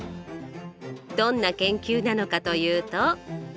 どんな研究なのかというと。